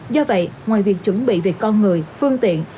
do vậy ngoài việc chuẩn bị về con người phương tiện